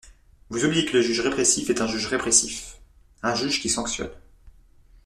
Vous oubliez que le juge répressif est un juge répressif, un juge qui sanctionne.